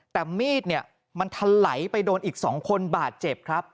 แต่มีดมันถลัยไปโดนอีก๒คนบาดเจ็บครับ